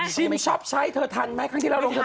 ชิมช็อปใช้เธอทันไหมครั้งที่เราลองเทียบ